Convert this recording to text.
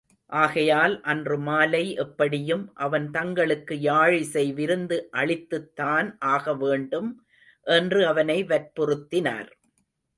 ஆகையால் அன்று மாலை எப்படியும் அவன் தங்களுக்கு யாழிசை விருந்து அளித்துத்தான் ஆகவேண்டும் என்று அவனை வற்புறுத்தினார்.